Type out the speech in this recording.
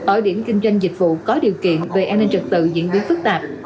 ở điểm kinh doanh dịch vụ có điều kiện về an ninh trực tự diễn biến phức tạp